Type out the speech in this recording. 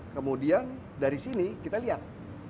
kemudian dari sini kita lihat